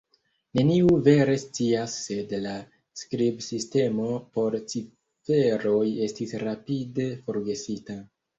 Neniu vere scias sed la skribsistemo por ciferoj estis rapide forgesita